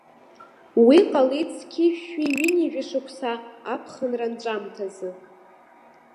Уи ҟалеит зқьи жәшәи ҩынҩажәа шықәса, аԥхынра анҵәамҭазы.